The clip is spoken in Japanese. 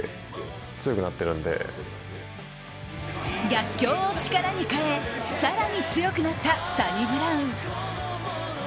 逆境を力に変え更に強くなったサニブラウン。